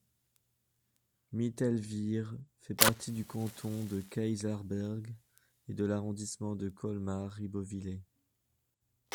Mittelwihr fait partie du canton de Kaysersberg et de l'arrondissement de Colmar-Ribeauvillé.